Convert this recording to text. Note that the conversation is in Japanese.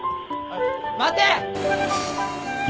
待て！